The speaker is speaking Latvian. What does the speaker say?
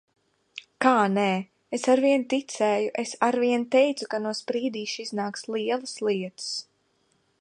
Kā nē? Es arvien ticēju! Es arvien teicu, ka no Sprīdīša iznāks lielas lietas.